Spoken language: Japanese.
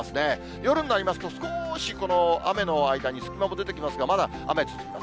夜になりますと、少しこの雨の間に隙間も出てきますが、まだ雨は続きます。